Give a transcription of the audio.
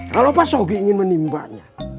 kalo pak sogi ingin menimbaknya